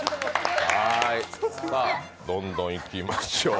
さあ、どんどんいきましょう。